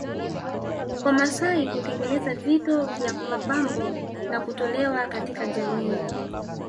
Wamasai hutengeneza vito vya mapambo na kutolewa katika jamii